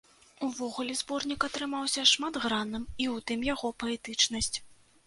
Увогуле, зборнік атрымаўся шматгранным, і ў тым яго паэтычнасць.